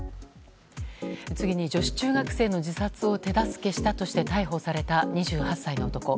次に、女子中学生の自殺を手助けしたとして逮捕された２８歳の男。